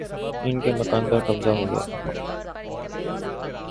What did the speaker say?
ان کے مکان پر قبضہ ہو گیا تھا